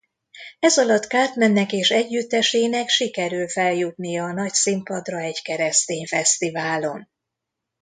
Ezalatt Cartmannek és együttesének sikerül feljutnia a nagyszínpadra egy keresztény fesztiválon.